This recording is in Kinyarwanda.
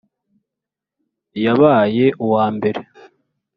Yabaye uwambere